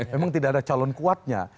memang tidak ada calon kuatnya